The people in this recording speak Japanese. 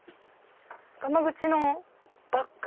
がまぐちのバッグ。